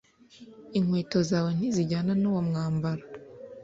Inkweto zawe ntizijyana nuwo mwambaro